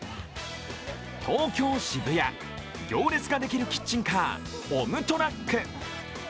東京・渋谷、行列ができるキッチンカー、オムトラック。